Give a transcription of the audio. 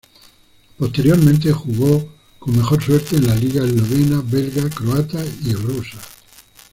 Posteriormente jugó con mejor suerte en la liga eslovena, belga, croata y rusa.